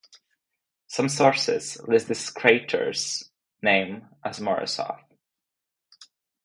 Some sources list this crater's name as Morosov.